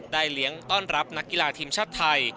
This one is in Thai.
เลี้ยงต้อนรับนักกีฬาทีมชาติไทย